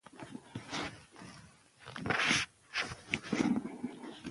د نورو د تخریب څخه ډډه وکړئ.